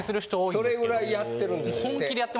それぐらいやってるんですって。